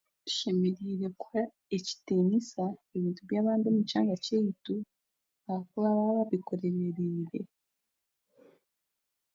Tushemereire kuha ekitiinisa ebintu by'abandi omu kyanga kyaitu ahakuba baraababikoreriire